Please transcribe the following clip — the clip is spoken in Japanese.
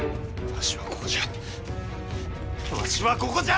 わしはここじゃ。